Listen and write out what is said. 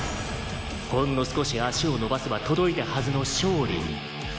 「ほんの少し足を伸ばせば届いたはずの勝利に」